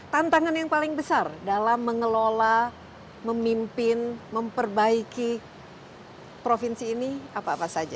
tantangan yang paling besar dalam mengelola memimpin memperbaiki provinsi ini apa apa saja